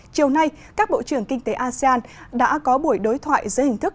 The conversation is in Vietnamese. chiều nay các bộ trưởng kinh tế asean đã có buổi đối thoại giữa hình thức